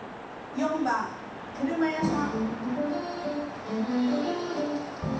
４番「車屋さん」。